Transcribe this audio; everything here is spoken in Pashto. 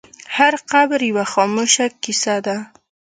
هر قبر یوه خاموشه کیسه ده.